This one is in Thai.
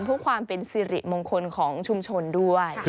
เพื่อความเป็นสิริมงคลของชุมชนด้วย